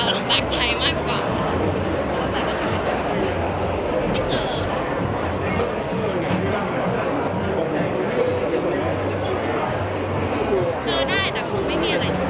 ขอบคุณภาษาให้ด้วยเนี่ย